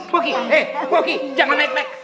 bogi eh bogi jangan naik naik